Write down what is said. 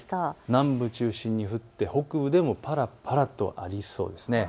南部中心に降って北部でもぱらぱらと降りそうです。